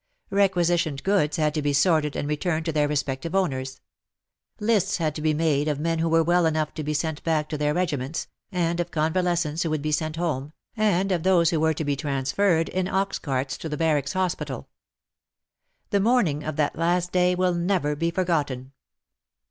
Requisitioned goods had to be sorted and returned to their respective owners. Lists had to be made of men who were well enough to be sent back to their regiments, and of convalescents who would be sent home, and of those who were to be transferred in ox carts to the barracks hospital. The morning of that last day will never be forgotten.